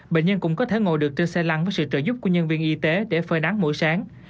bệnh nhân cũng có thể ngồi được trên xe lăn với sự trợ giúp của nhân viên y tế để phơi nắng mỗi sáng